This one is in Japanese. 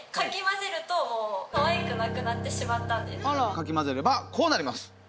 かき混ぜればこうなります。